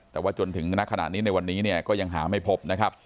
แต่ว่าจนถึงณขณะนี้ในวันนี้เนี่ยก็ยังหาไม่พบนะครับ